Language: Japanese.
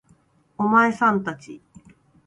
お前さん達